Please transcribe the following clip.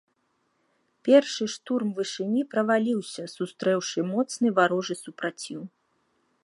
Першы штурм вышыні праваліўся, сустрэўшы моцны варожы супраціў.